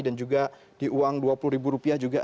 dan juga di uang rp dua puluh juga ada fitur pengaman